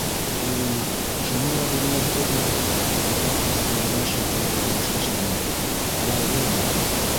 И... шуны ла белмәйһегеҙме, - Урал ҡустыларына шелтәле ҡараш ташланы. - һарайғыр был!